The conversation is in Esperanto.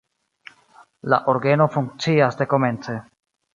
La orgeno funkcias dekomence.